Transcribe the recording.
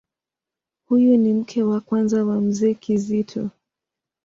Huyu ni mke wa kwanza wa Mzee Kizito.